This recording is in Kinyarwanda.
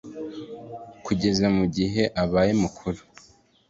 , kugeza mu gihe abaye mukuru